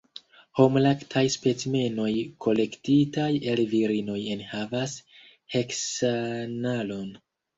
Homlaktaj specimenoj kolektitaj el virinoj enhavas heksanalon.